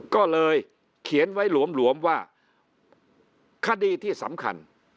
ก็เลยเขียนไว้หลวมว่าคดีที่สำคัญ